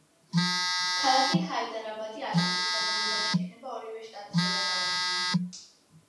ქალაქი ჰაიდარაბადი ათი წლის განმავლობაში იქნება ორივე შტატის დედაქალაქი.